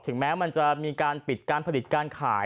แม้มันจะมีการปิดการผลิตการขาย